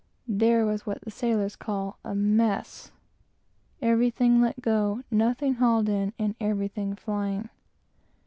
There was what the sailors call a "mess" everything let go, nothing hauled in, and everything flying.